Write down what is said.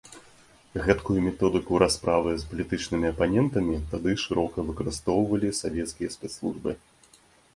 Гэткую методыку расправы з палітычнымі апанентамі тады шырока выкарыстоўвалі савецкія спецслужбы.